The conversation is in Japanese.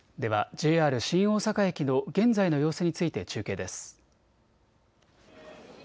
ＪＲ新大阪駅の現在の様子について中継です。